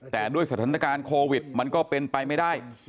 แต่ด้วยสถานการณ์โควิดมันก็เป็นไปไม่ได้